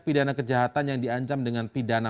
pidana kejahatan yang diancam dengan pidana